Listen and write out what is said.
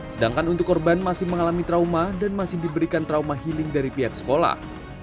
sedangkan untuk korban masih mengalami trauma dan masih diberikan trauma healing dari pihak sekolah